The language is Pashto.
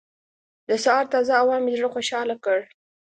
د سهار تازه هوا مې زړه خوشحاله کړ.